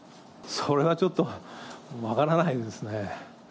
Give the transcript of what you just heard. それはちょっと分からないですね。